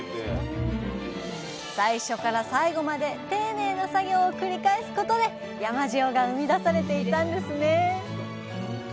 最初から最後まで丁寧な作業を繰り返すことで山塩が生み出されていたんですね。